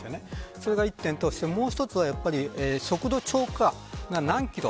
それが一点としてもう一つは速度超過、何キロ